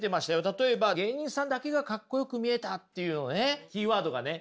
例えば「芸人さんだけがかっこよく見えた」っていうのねキーワードがね